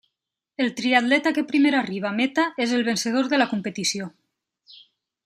El triatleta que primer arriba a meta és el vencedor de la competició.